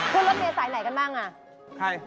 ขึ้นรถเมล์สายไหนกันบ้างล่ะใคร